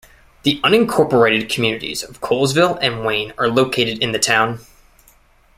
The unincorporated communities of Kohlsville and Wayne are located in the town.